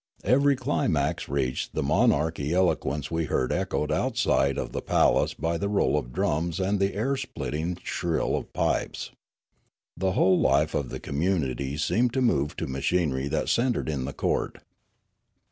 Every climax reached by the monarchic eloquence we heard echoed outside of the palace by the roll of drums and the air splitting shrill of pipes. The whole life of the com munity seemed to move to machinery that centred in the court.